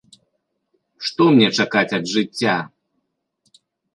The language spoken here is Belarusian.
Што мне чакаць ад жыцця?